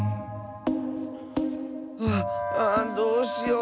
あっああどうしよう。